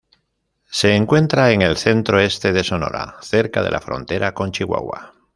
Se encuentra en el centro-este de Sonora, cerca de la frontera con Chihuahua.